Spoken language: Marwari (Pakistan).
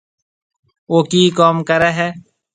او ڪِي ڪم ڪري هيَ۔